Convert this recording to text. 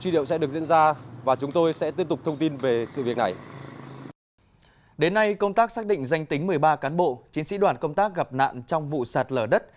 đến nay công tác xác định danh tính một mươi ba cán bộ chiến sĩ đoàn công tác gặp nạn trong vụ sạt lở đất